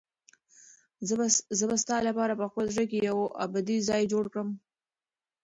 زه به ستا لپاره په خپل زړه کې یو ابدي ځای جوړ کړم.